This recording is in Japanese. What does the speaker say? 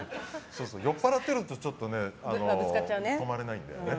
酔っぱらっていると止まれないんだよね。